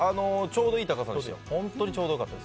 ちょうどいい高さでした。